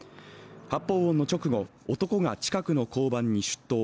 発砲音の直後、男が近くの交番に出頭。